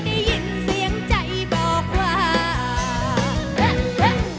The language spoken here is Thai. ได้ยินเสียงใจบอกว่า